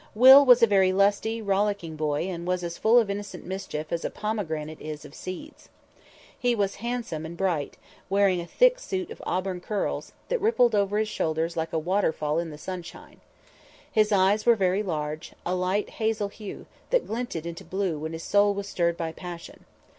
Will was a very lusty, rollicking boy and was as full of innocent mischief as a pomegranate is of seeds. He was handsome and bright, wearing a thick suit of auburn curls, that rippled over his shoulders like a waterfall in the sunshine. His eyes were very large, a light hazel hue, that glinted into blue when his soul was stirred by passion.